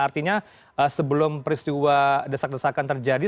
artinya sebelum peristiwa desak desakan terjadi